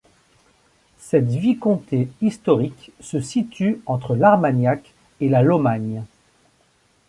Cette vicomté historique se situe entre l'Armagnac et la Lomagne.